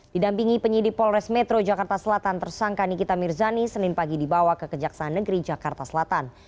didampingi penyidik polres metro jakarta selatan tersangka nikita mirzani senin pagi dibawa ke kejaksaan negeri jakarta selatan